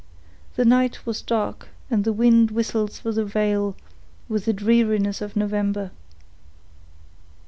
The night was dark, and the wind whistled through the vale with the dreariness of November.